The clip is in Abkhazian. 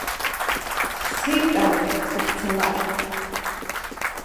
Сцеит ауп, сахьцалак.